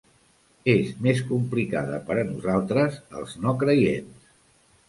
És més complicada per a nosaltres els no-creients.